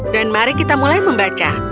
dan mari kita mulai membaca